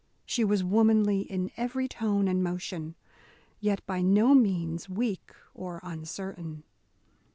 She was womanly in every tone and motion, yet by no means weak or uncertain.